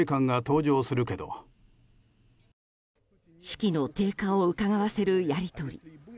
士気の低下をうかがわせるやり取り。